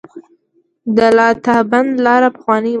د لاتابند لاره پخوانۍ وه